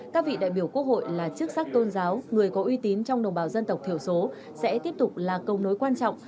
các vị đại biểu quốc hội là chức sắc tôn giáo người có uy tín trong đồng bào dân tộc thiểu số sẽ tiếp tục là câu nối quan trọng